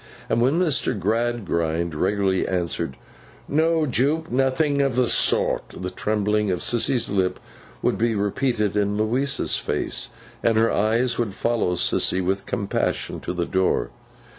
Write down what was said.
And when Mr. Gradgrind regularly answered, 'No, Jupe, nothing of the sort,' the trembling of Sissy's lip would be repeated in Louisa's face, and her eyes would follow Sissy with compassion to the door.